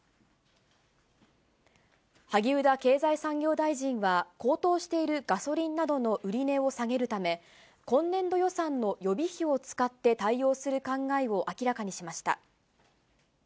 萩生田経済産業大臣は高騰しているガソリンなどの売値を提げるため、今年度予算の予備費を使って対応する考えを明らかにしました。